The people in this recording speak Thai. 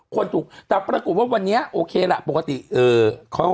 คนถูกแต่ปรากฏว่าวันนี้โอเคล่ะปกติเขา